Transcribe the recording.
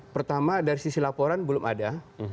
pertama dari sisi laporan belum ada